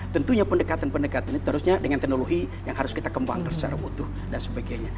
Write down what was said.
tentunya pendekatan pendekatan ini terusnya dengan teknologi yang harus kita kembangkan secara utuh dan sebagainya